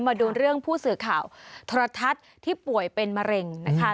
มาดูเรื่องผู้สื่อข่าวโทรทัศน์ที่ป่วยเป็นมะเร็งนะคะ